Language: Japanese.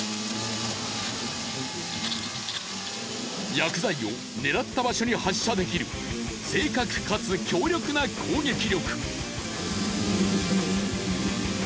薬剤を狙った場所に発射できる正確かつ強力な攻撃力。